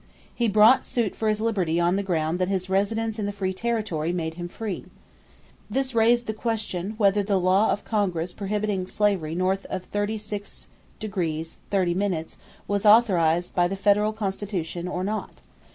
He brought suit for his liberty on the ground that his residence in the free territory made him free. This raised the question whether the law of Congress prohibiting slavery north of 36° 30' was authorized by the federal Constitution or not.